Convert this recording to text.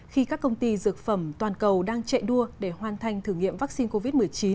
khi các công ty dược phẩm toàn cầu đang chạy đua để hoàn thành thử nghiệm vaccine covid một mươi chín